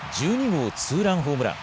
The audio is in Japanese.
１２号ツーランホームラン。